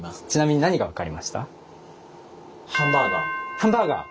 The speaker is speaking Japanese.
ハンバーガー。